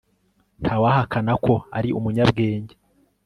Ntawahakana ko ari umunyabwenge